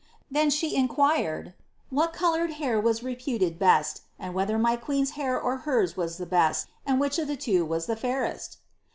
Then she inquired tat coloured hair was reputed best, and whether my queen's hair or was the best, and which of the two was the fairest